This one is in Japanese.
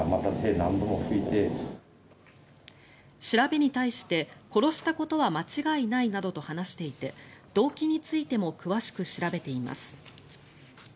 調べに対して殺したことは間違いないなどと話していて動機についても詳しく調べています。